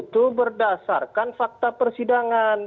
itu berdasarkan fakta persidangan